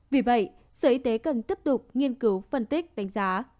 vì vậy sở y tế cần tiếp tục nghiên cứu phân tích đánh giá